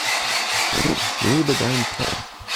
Lebe deinen Traum!